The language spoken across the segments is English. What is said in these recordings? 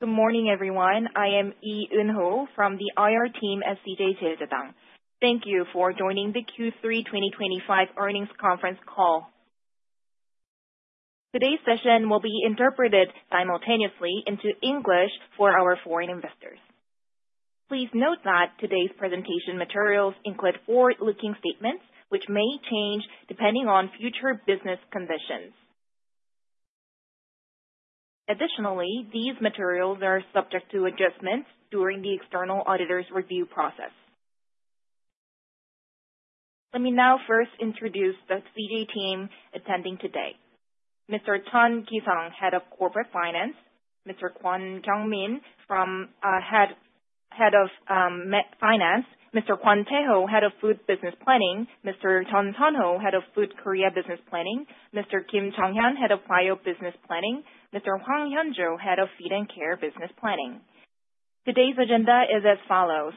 Good morning, everyone. I am Lee Eun-ho from the IR team at CJ CheilJedang. Thank you for joining the Q3 2025 earnings conference call. Today's session will be interpreted simultaneously into English for our foreign investors. Please note that today's presentation materials include forward-looking statements, which may change depending on future business conditions. Additionally, these materials are subject to adjustments during the external auditor's review process. Let me now first introduce the CJ team attending today: Mr. Chun Ki-sung, Head of Corporate Finance, Mr. Kwon Kyung-min, Head of Finance, Mr. Kwon Tae-ho, Head of Food Business Planning, Mr. Chun Sun-ho, Head of Food Korea Business Planning, Mr. Kim Jang-hyun, Head of Bio Business Planning, Mr. Hwang Hyun-jo, Head of Feed and Care Business Planning. Today's agenda is as follows.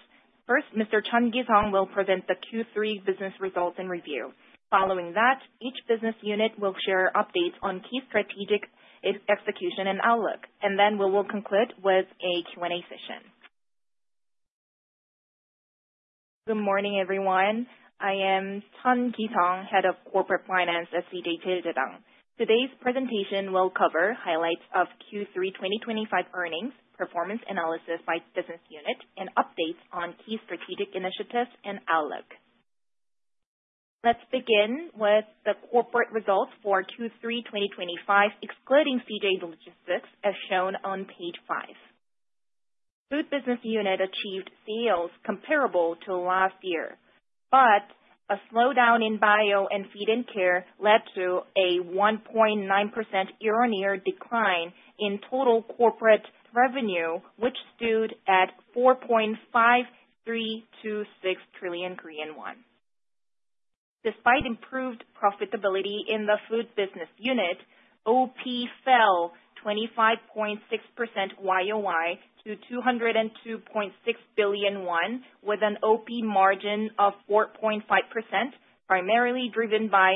First, Mr. Chun Ki-sung will present the Q3 business results and review. Following that, each business unit will share updates on key strategic execution and outlook, and then we will conclude with a Q&A session. Good morning, everyone. I am Chun Ki-sung, Head of Corporate Finance at CJ Cheiljedang. Today's presentation will cover highlights of Q3 2025 earnings, performance analysis by business unit, and updates on key strategic initiatives and outlook. Let's begin with the corporate results for Q3 2025, excluding CJ Logistics, as shown on page five. Food business unit achieved sales comparable to last year, but a slowdown in bio and feed and care led to a 1.9% year-on-year decline in total corporate revenue, which stood at 4.5326 trillion Korean won. Despite improved profitability in the food business unit, OP fell 25.6% YOY to 202.6 billion won, with an OP margin of 4.5%, primarily driven by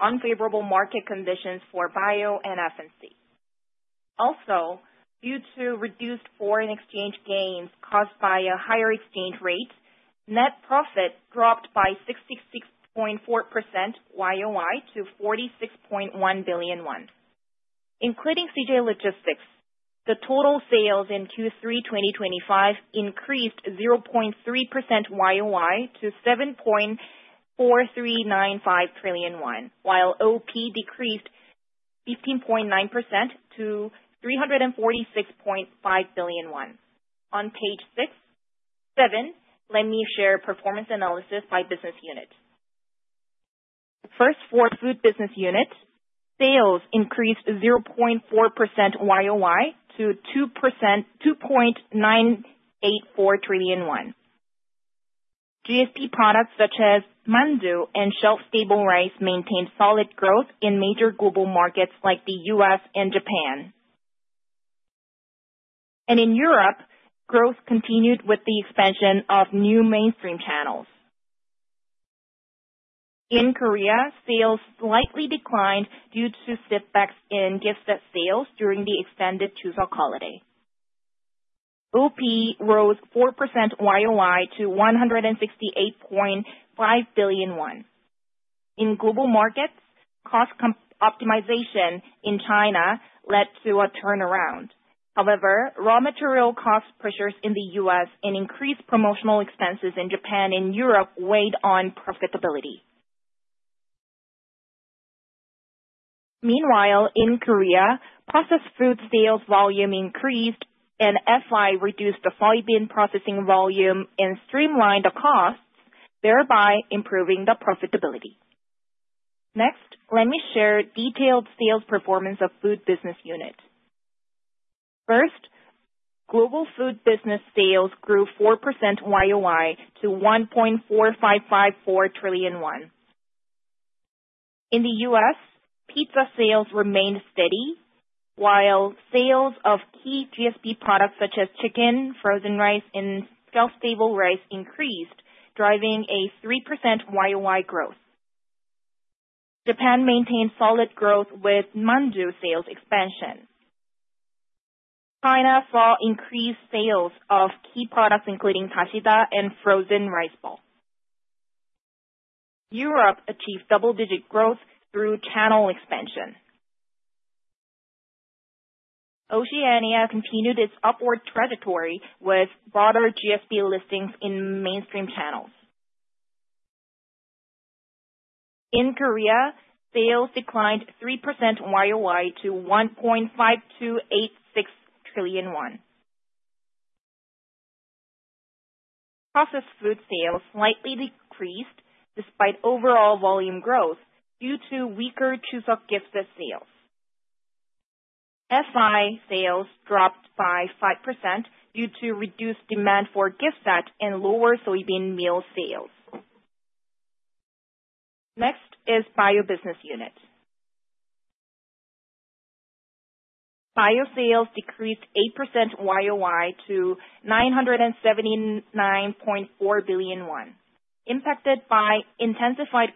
unfavorable market conditions for bio and F&C. Also, due to reduced foreign exchange gains caused by a higher exchange rate, net profit dropped by 66.4% YOY to 46.1 billion won. Including CJ Logistics, the total sales in Q3 2025 increased 0.3% YOY to 7.4395 trillion won, while OP decreased 15.9% to 346.5 billion won. On page seven, let me share performance analysis by business unit. First, for food business unit, sales increased 0.4% YOY to 2.984 trillion won. GSP products such as Mandu and shelf-stable rice maintained solid growth in major global markets like the US and Japan. In Europe, growth continued with the expansion of new mainstream channels. In Korea, sales slightly declined due to setbacks in gift set sales during the extended Chuseok holiday. OP rose 4% YOY to 168.5 billion won. In global markets, cost optimization in China led to a turnaround. However, raw material cost pressures in the US and increased promotional expenses in Japan and Europe weighed on profitability. Meanwhile, in Korea, processed food sales volume increased, and FI reduced the soybean processing volume and streamlined the costs, thereby improving the profitability. Next, let me share detailed sales performance of food business unit. First, global food business sales grew 4% YOY to 1.4554 trillion KRW. In the US, pizza sales remained steady, while sales of key GSP products such as chicken, frozen rice, and shelf-stable rice increased, driving a 3% YOY growth. Japan maintained solid growth with Mandu sales expansion. China saw increased sales of key products including Dashida and frozen rice balls. Europe achieved double-digit growth through channel expansion. Oceania continued its upward trajectory with broader GSP listings in mainstream channels. In Korea, sales declined 3% YOY to 1.5286 trillion KRW. Processed food sales slightly decreased despite overall volume growth due to weaker Chuseok gift set sales. FI sales dropped by 5% due to reduced demand for gift set and lower soybean meal sales. Next is Bio business unit. Bio sales decreased 8% YOY to 979.4 billion won, impacted by intensified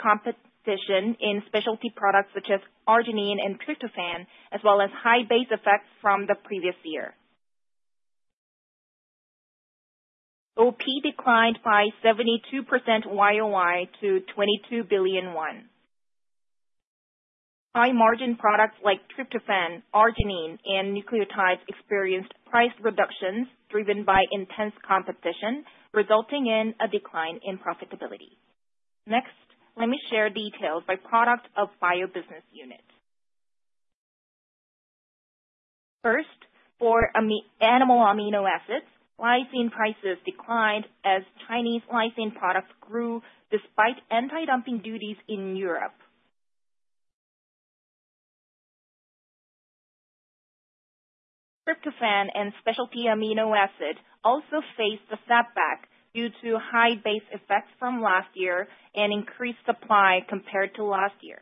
competition in specialty products such as arginine and tryptophan, as well as high base effects from the previous year. OP declined by 72% YOY to 22 billion won. High-margin products like tryptophan, arginine, and nucleotides experienced price reductions driven by intense competition, resulting in a decline in profitability. Next, let me share details by product of Bio business unit. First, for animal amino acids, lysine prices declined as Chinese lysine products grew despite anti-dumping duties in Europe. Tryptophan and specialty amino acids also faced a setback due to high base effects from last year and increased supply compared to last year.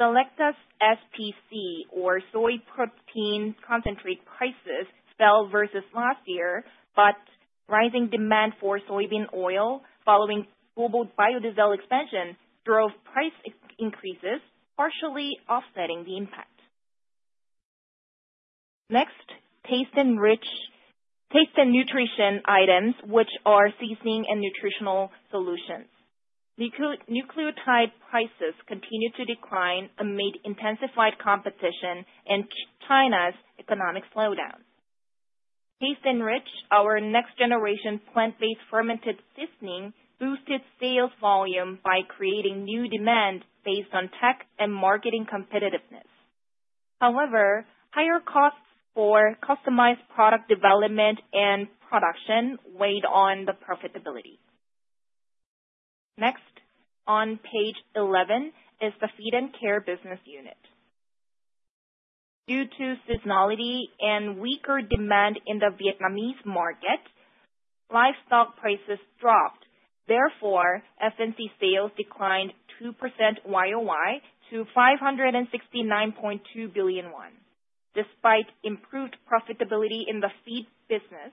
Selecta SPC, or soy protein concentrate prices, fell versus last year, but rising demand for soybean oil following global biodiesel expansion drove price increases, partially offsetting the impact. Next, taste and nutrition items, which are seasoning and nutritional solutions. Nucleotides prices continued to decline amid intensified competition and China's economic slowdown. TasteNrich, our next-generation plant-based fermented seasoning boosted sales volume by creating new demand based on tech and marketing competitiveness. However, higher costs for customized product development and production weighed on the profitability. Next, on page 11 is the feed and care business unit. Due to seasonality and weaker demand in the Vietnamese market, livestock prices dropped. Therefore, F&C sales declined 2% YOY to 569.2 billion won. Despite improved profitability in the feed business,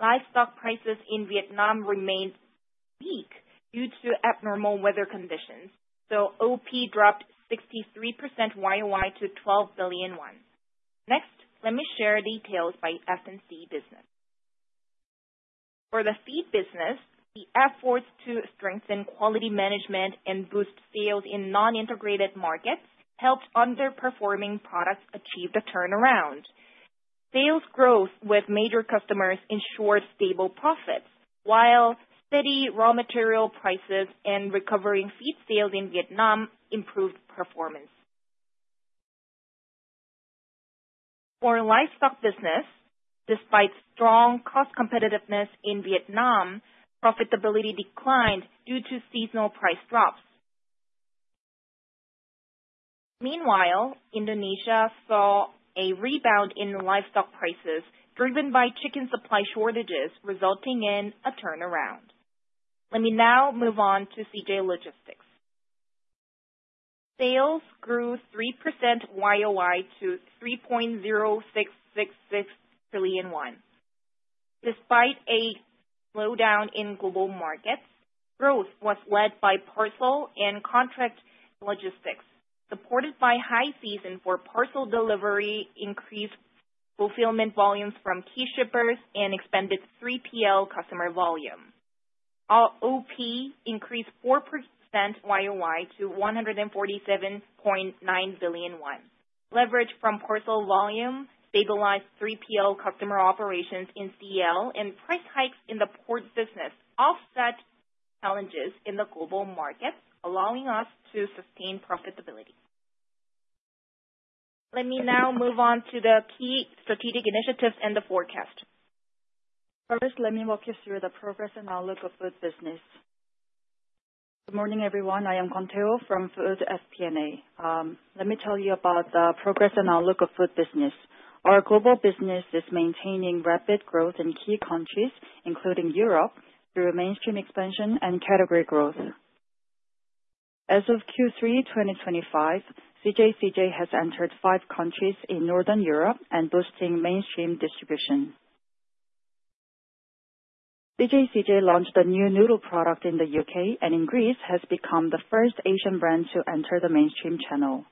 livestock prices in Vietnam remained weak due to abnormal weather conditions, so OP dropped 63% YOY to 12 billion won. Next, let me share details by F&C business. For the feed business, the efforts to strengthen quality management and boost sales in non-integrated markets helped underperforming products achieve the turnaround. Sales growth with major customers ensured stable profits, while steady raw material prices and recovering feed sales in Vietnam improved performance. For livestock business, despite strong cost competitiveness in Vietnam, profitability declined due to seasonal price drops. Meanwhile, Indonesia saw a rebound in livestock prices driven by chicken supply shortages, resulting in a turnaround. Let me now move on to CJ Logistics. Sales grew 3% YOY to 3.0666 trillion won. Despite a slowdown in global markets, growth was led by parcel and contract logistics, supported by high season for parcel delivery, increased fulfillment volumes from key shippers, and expanded 3PL customer volume. OP increased 4% YOY to 147.9 billion won. Leverage from parcel volume stabilized 3PL customer operations in CJ Logistics, and price hikes in the port business offset challenges in the global markets, allowing us to sustain profitability. Let me now move on to the key strategic initiatives and the forecast. First, let me walk you through the progress and outlook of food business. Good morning, everyone. I am Kwon Tae-ho from Food FP&A. Let me tell you about the progress and outlook of food business. Our global business is maintaining rapid growth in key countries, including Europe, through mainstream expansion and category growth. As of Q3 2025, CJ CheilJedang has entered five countries in Northern Europe and boosting mainstream distribution. CJ CheilJedang launched a new noodle product in the UK, and in Greece, has become the first Asian brand to enter the mainstream channel.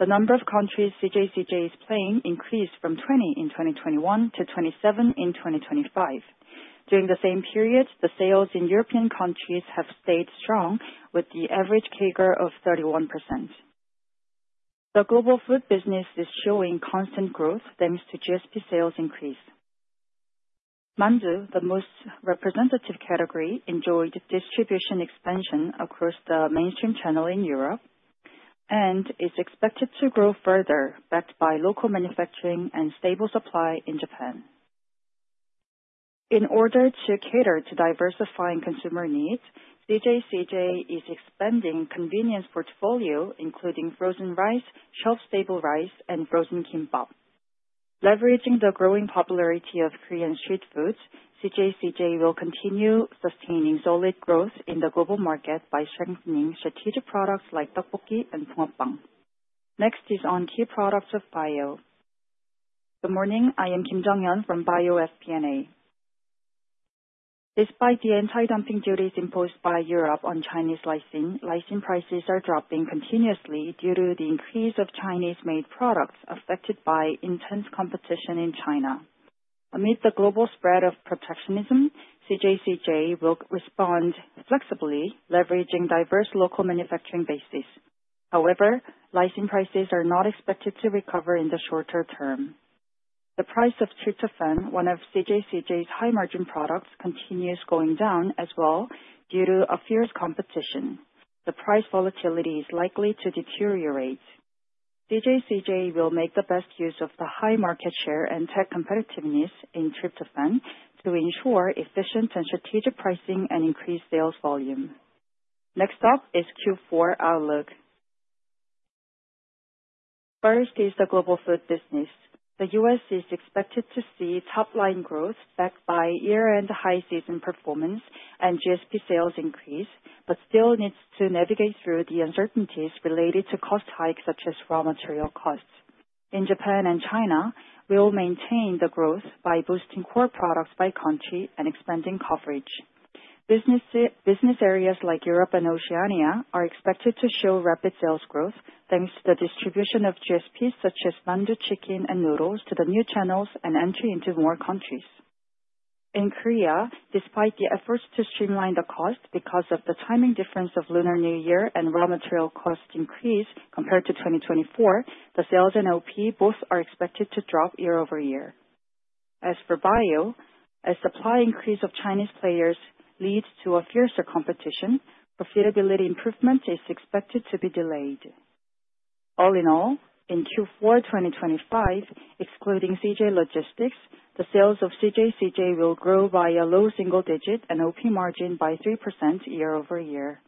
The number of countries CJ CheilJedang is playing increased from 20 in 2021 to 27 in 2025. During the same period, the sales in European countries have stayed strong, with the average CAGR of 31%. The global food business is showing constant growth thanks to GSP sales increase. Mandu, the most representative category, enjoyed distribution expansion across the mainstream channel in Europe and is expected to grow further, backed by local manufacturing and stable supply in Japan. In order to cater to diversifying consumer needs, CJ CheilJedang is expanding convenience portfolio, including frozen rice, shelf-stable rice, and frozen kimbap. Leveraging the growing popularity of Korean street foods, CJ CheilJedang will continue sustaining solid growth in the global market by strengthening strategic products like tteokbokki and Bungeoppang. Next is on key products of Bio. Good morning, I am Kim Jang-hyun from Bio FP&A. Despite the anti-dumping duties imposed by Europe on Chinese lysine, lysine prices are dropping continuously due to the increase of Chinese-made products affected by intense competition in China. Amid the global spread of protectionism, CJ will respond flexibly, leveraging diverse local manufacturing bases. However, lysine prices are not expected to recover in the shorter term. The price of tryptophan, one of CJ's high-margin products, continues going down as well due to fierce competition. The price volatility is likely to deteriorate. CJ will make the best use of the high market share and tech competitiveness in tryptophan to ensure efficient and strategic pricing and increased sales volume. Next up is Q4 outlook. First is the global food business. The US is expected to see top-line growth backed by year-end high season performance and GSP sales increase, but still needs to navigate through the uncertainties related to cost hikes such as raw material costs. In Japan and China, we'll maintain the growth by boosting core products by country and expanding coverage. Business areas like Europe and Oceania are expected to show rapid sales growth thanks to the distribution of GSPs such as Mandu, chicken, and noodles to the new channels and entry into more countries. In Korea, despite the efforts to streamline the cost because of the timing difference of Lunar New Year and raw material cost increase compared to 2024, the sales and OP both are expected to drop year over year. As for Bio, as supply increase of Chinese players leads to a fiercer competition, profitability improvement is expected to be delayed. All in all, in Q4 2025, excluding CJ Logistics, the sales of CJ CheilJedang will grow by a low single-digit and OP margin by 3% year-over-year.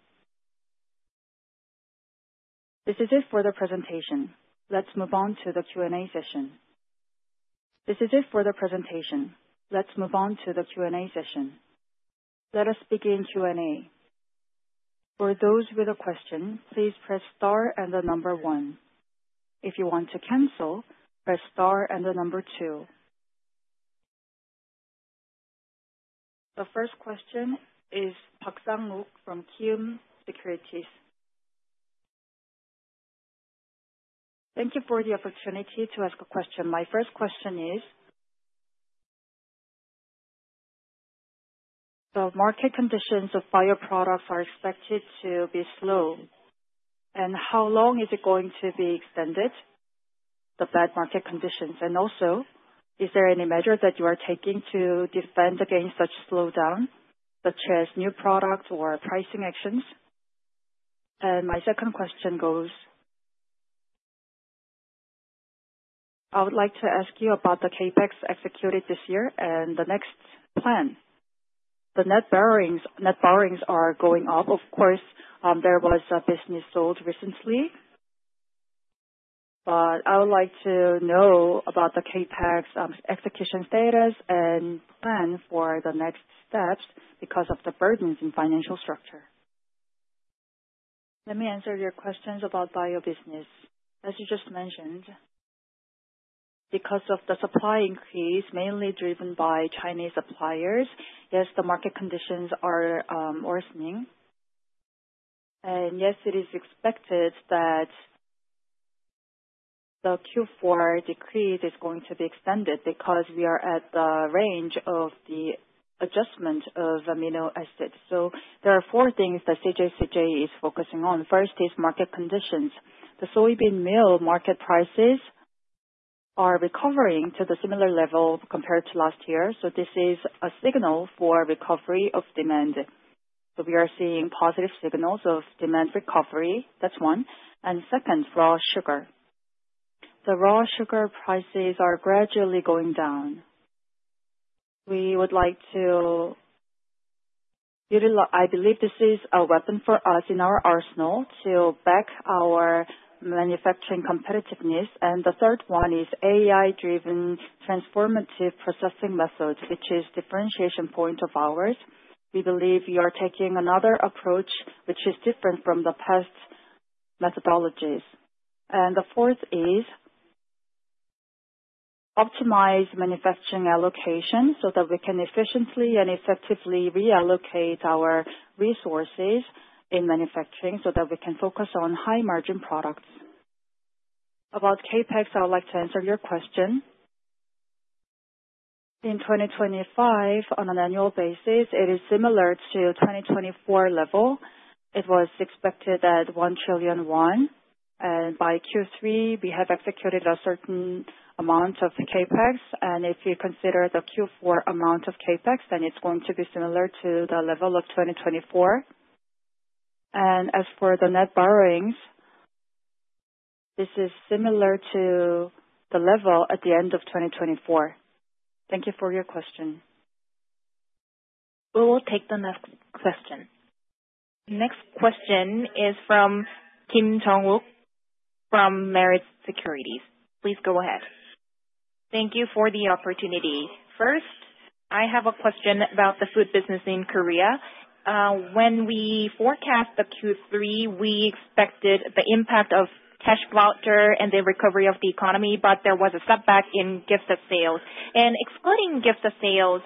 This is it for the presentation. Let's move on to the Q&A session. Let us begin Q&A. For those with a question, please press star and the number one. If you want to cancel, press star and the number two. The first question is Park Sang-wook from Kiwoom Securities. Thank you for the opportunity to ask a question. My first question is, the market conditions of bio products are expected to be slow. And how long is it going to be extended? The bad market conditions. And also, is there any measure that you are taking to defend against such slowdown, such as new product or pricing actions? My second question goes. I would like to ask you about the CAPEX executed this year and the next plan. The net borrowings are going up. Of course, there was a business sold recently. But I would like to know about the CAPEX execution status and plan for the next steps because of the burdens in financial structure. Let me answer your questions about bio business. As you just mentioned, because of the supply increase, mainly driven by Chinese suppliers, yes, the market conditions are worsening. And yes, it is expected that the Q4 decrease is going to be extended because we are at the range of the adjustment of amino acids. So there are four things that CJ CheilJedang is focusing on. First is market conditions. The soybean meal market prices are recovering to the similar level compared to last year. This is a signal for recovery of demand. We are seeing positive signals of demand recovery. That's one. Second, raw sugar. The raw sugar prices are gradually going down. We would like to utilize. I believe this is a weapon for us in our arsenal to back our manufacturing competitiveness. And the third one is AI-driven transformative processing methods, which is differentiation point of ours. We believe we are taking another approach, which is different from the past methodologies. And the fourth is optimize manufacturing allocation so that we can efficiently and effectively reallocate our resources in manufacturing so that we can focus on high-margin products. About CapEx, I would like to answer your question. In 2025, on an annual basis, it is similar to 2024 level. It was expected at 1 trillion won. And by Q3, we have executed a certain amount of CapEx. If you consider the Q4 amount of CapEx, then it's going to be similar to the level of 2024. As for the net borrowings, this is similar to the level at the end of 2024. Thank you for your question. We will take the next question. Next question is from Kim Jung-wook from Meritz Securities. Please go ahead. Thank you for the opportunity. First, I have a question about the food business in Korea. When we forecast the Q3, we expected the impact of cash voucher and the recovery of the economy, but there was a setback in gift sales. Excluding gift sales,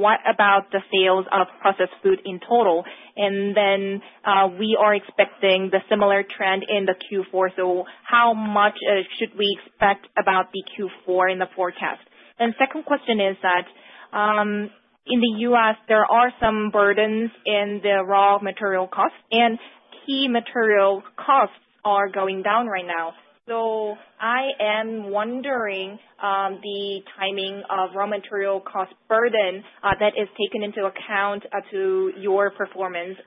what about the sales of processed food in total? We are expecting the similar trend in the Q4. How much should we expect about the Q4 in the forecast? And second question is that in the U.S., there are some burdens in the raw material costs, and key material costs are going down right now. So I am wondering the timing of raw material cost burden that is taken into account to your performance,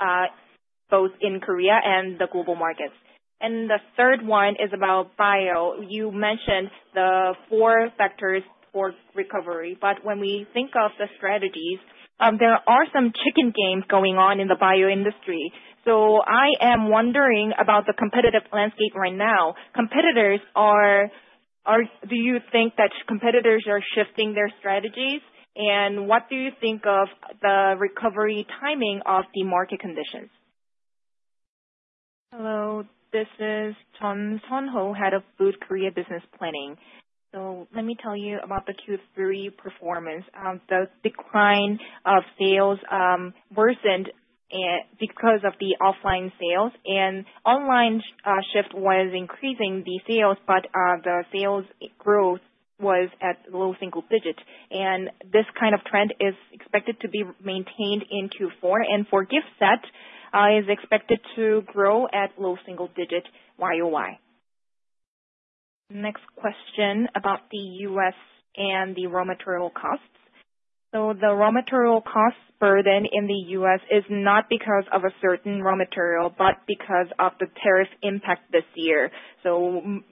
both in Korea and the global markets. And the third one is about bio. You mentioned the four factors for recovery. But when we think of the strategies, there are some chicken games going on in the bio industry. So I am wondering about the competitive landscape right now. Do you think that competitors are shifting their strategies? And what do you think of the recovery timing of the market conditions? Hello, this is Chun Sun-ho, Head of Food Korea Business Planning. So let me tell you about the Q3 performance. The decline of sales worsened because of the offline sales. The online shift was increasing the sales, but the sales growth was at low single digits. This kind of trend is expected to be maintained in Q4. For gifts, that is expected to grow at low single digit YOY. Next question about the US and the raw material costs. The raw material cost burden in the US is not because of a certain raw material, but because of the tariff impact this year.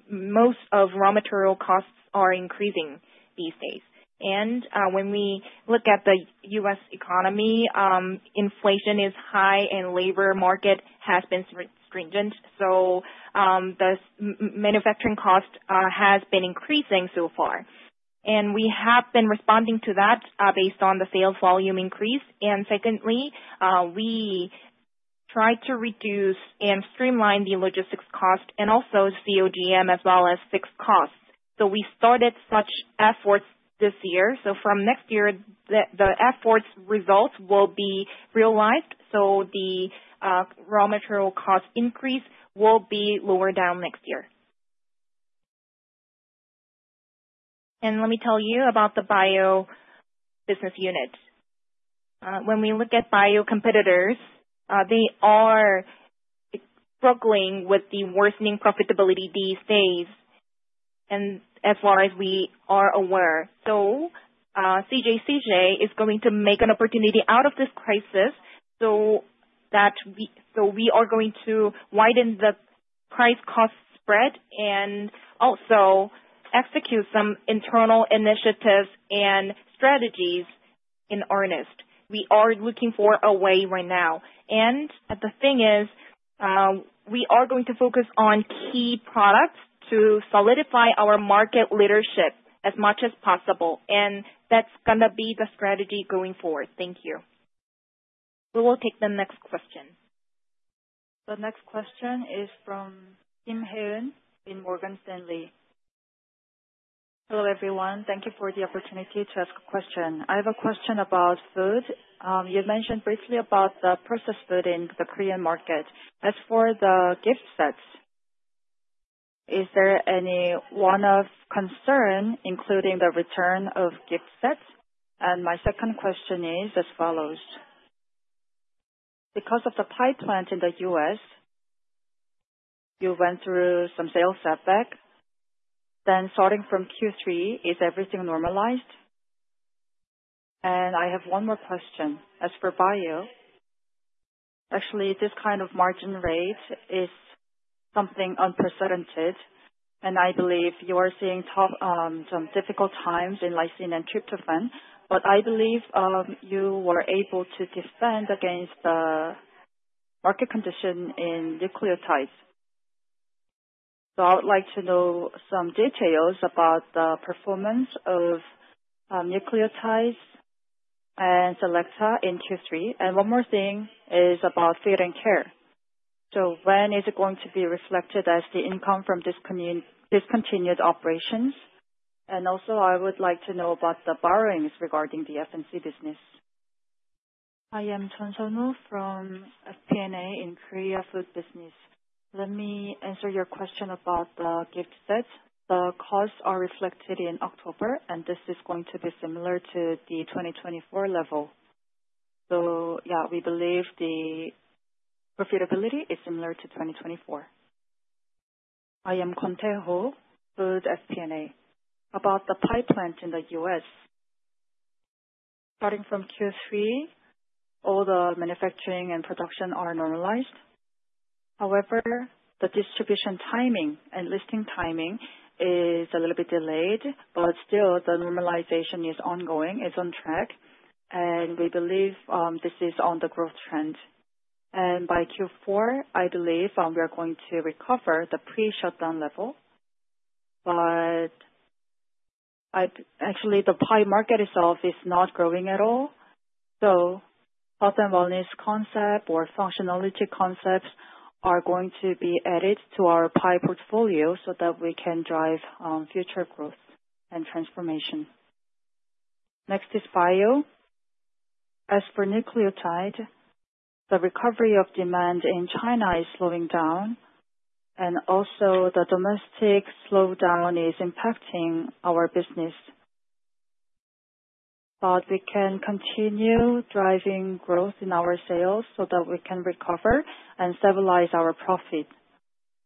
Most of raw material costs are increasing these days. When we look at the U.S. economy, inflation is high and labor market has been stringent. The manufacturing cost has been increasing so far. We have been responding to that based on the sales volume increase. Secondly, we tried to reduce and streamline the logistics cost and also COGM as well as fixed costs. So we started such efforts this year. So from next year, the efforts results will be realized. So the raw material cost increase will be lower down next year. And let me tell you about the bio business unit. When we look at bio competitors, they are struggling with the worsening profitability these days, as far as we are aware. So CJ is going to make an opportunity out of this crisis so that we are going to widen the price cost spread and also execute some internal initiatives and strategies in earnest. We are looking for a way right now. And the thing is, we are going to focus on key products to solidify our market leadership as much as possible. And that's going to be the strategy going forward. Thank you. We will take the next question. The next question is from Kim Hae-yeon in Morgan Stanley. Hello everyone. Thank you for the opportunity to ask a question. I have a question about food. You mentioned briefly about the processed food in the Korean market. As for the gift sets, is there any one of concern, including the return of gift sets? And my second question is as follows. Because of the pipeline in the US, you went through some sales setback. Then starting from Q3, is everything normalized? And I have one more question. As for bio, actually, this kind of margin rate is something unprecedented. And I believe you are seeing some difficult times in lysine and tryptophan. But I believe you were able to defend against the market condition in nucleotides. So I would like to know some details about the performance of nucleotides and Selecta in Q3. And one more thing is about feed and care. So when is it going to be reflected as the income from discontinued operations? And also, I would like to know about the borrowings regarding the F&C business. I am Chun Sun-ho from FP&A in Korea Food Business. Let me answer your question about the gift sets. The costs are reflected in October, and this is going to be similar to the 2024 level. So yeah, we believe the profitability is similar to 2024. I am Kwon Tae-ho, Food FP&A. About the pipeline in the U.S. Starting from Q3, all the manufacturing and production are normalized. However, the distribution timing and listing timing is a little bit delayed, but still the normalization is ongoing, is on track. And we believe this is on the growth trend. And by Q4, I believe we are going to recover the pre-shutdown level. But actually, the pizza market itself is not growing at all. Health and wellness concept or functionality concepts are going to be added to our pipeline portfolio so that we can drive future growth and transformation. Next is bio. As for nucleotide, the recovery of demand in China is slowing down, and also, the domestic slowdown is impacting our business. But we can continue driving growth in our sales so that we can recover and stabilize our profit,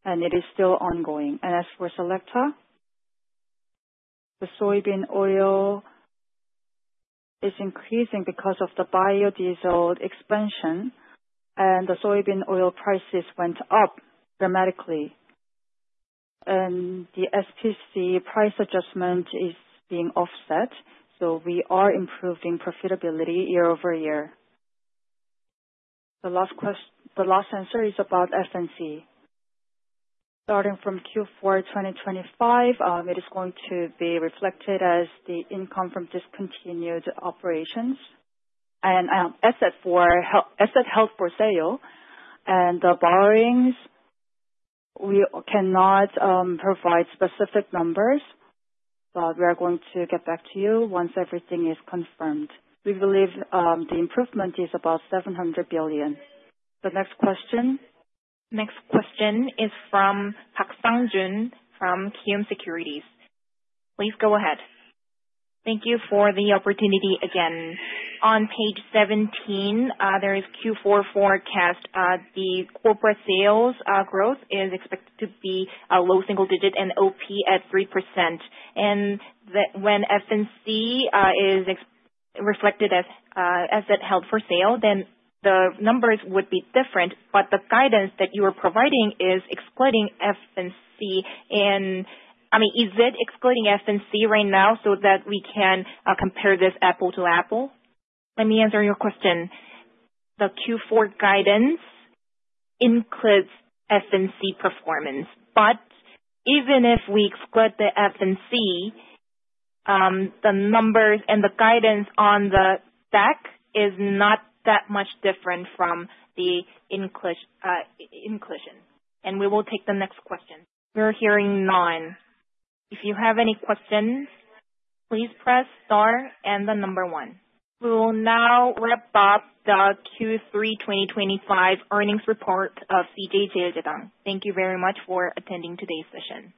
and it is still ongoing, and as for Selecta, the soybean oil is increasing because of the biodiesel expansion, and the soybean oil prices went up dramatically, and the SPC price adjustment is being offset, so we are improving profitability year over year. The last answer is about F&C. Starting from Q4 2025, it is going to be reflected as the income from discontinued operations, and assets held for sale, and the borrowings, we cannot provide specific numbers. But we are going to get back to you once everything is confirmed. We believe the improvement is about 700 billion. The next question. Next question is from Park Sang-Wook from Kiwoom Securities. Please go ahead. Thank you for the opportunity again. On page 17, there is Q4 forecast. The corporate sales growth is expected to be a low single-digit % and OP at 3%. And when F&C is reflected as asset held for sale, then the numbers would be different. But the guidance that you are providing is excluding F&C. And I mean, is it excluding F&C right now so that we can compare this apples to apples? Let me answer your question. The Q4 guidance includes F&C performance. But even if we exclude the F&C, the numbers and the guidance on the stack is not that much different from the inclusion. And we will take the next question. We're hearing none. If you have any questions, please press star and the number one. We will now wrap up the Q3 2025 earnings report of CJ Cheiljedang. Thank you very much for attending today's session.